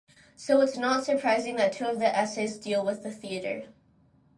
So it's not surprising that two of the essays deal with the theater.